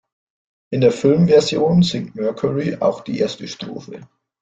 In der Filmversion singt Mercury auch die erste Strophe.